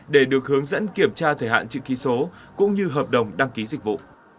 để được hướng dẫn kiểm tra thời hạn chữ ký số cũng như hợp đồng đăng ký dịch vụ